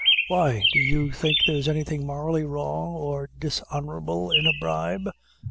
"Why, do you think there's anything morally wrong or dishonorable in a bribe?"